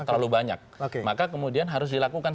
terlalu banyak maka kemudian harus dilakukan